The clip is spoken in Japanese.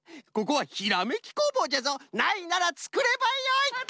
ここはひらめき工房じゃぞないならつくればよい！